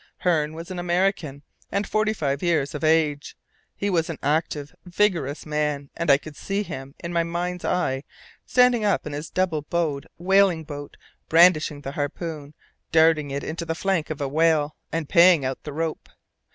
Hearne was an American, and forty five years of age. He was an active, vigorous man, and I could see him in my mind's eye, standing up on his double bowed whaling boat brandishing the harpoon, darting it into the flank of a whale, and paying out the rope.